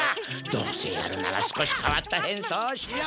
どうせやるなら少しかわった変装をしよう！